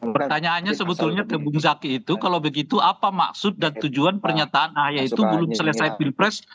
pertanyaannya sebetulnya ke bung zaki itu kalau begitu apa maksud dan tujuan pernyataan ahy itu belum selesai pilpres